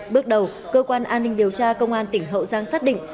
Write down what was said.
bước đầu cơ quan an ninh điều tra công an tỉnh hậu giang xác định